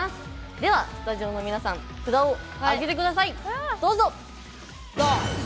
では、スタジオの皆さん札を上げてください。